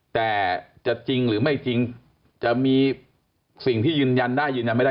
แต่จะจริงหรือไม่จริงจะมีสิ่งที่ยืนยันได้ยืนยันไม่ได้